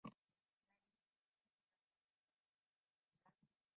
La línea lateral es muy arqueada y está presente un maxilar suplementario.